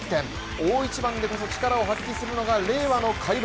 大一番でこそ力を発揮するのが令和の怪物。